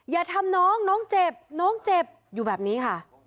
อย่าทำน้องน้องเจ็บน้องเจ็บอยู่แบบนี้ค่ะ